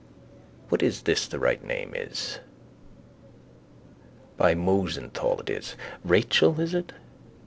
What is this the right name is? By Mosenthal it is. Rachel, is it?